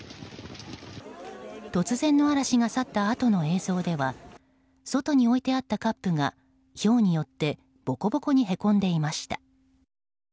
突然の嵐が去ったあとの映像では外に置いてあったカップがひょうによってボコボコにへこんでいました。